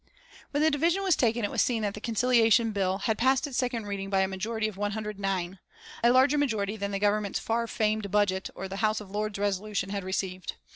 When the division was taken it was seen that the Conciliation Bill had passed its second reading by a majority of 109, a larger majority than the Government's far famed budget or the House of Lords Resolution had received.